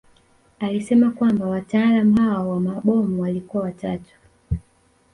Alisema kwamba wataalamu hao wa mabomu walikuwa watatu